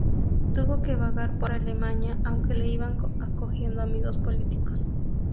Tuvo que vagar por Alemania, aunque le iban acogiendo amigos políticos.